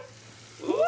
うわ！